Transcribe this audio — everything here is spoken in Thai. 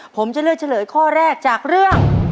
ผมจะเลือกเฉลยข้อแรกจากเรื่อง